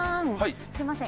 すいません。